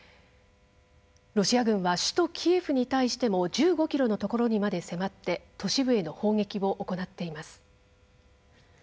ロシア軍は首都キエフに対しても１５ｋｍのところにまで迫って都市部への砲撃を行っています。